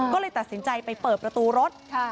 ก็เลยตัดสินใจไปเปิดประตูรถ